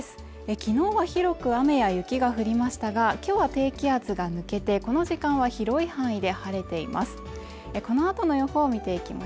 きのうは広く雨や雪が降りましたがきょうは低気圧が抜けてこの時間は広い範囲で晴れています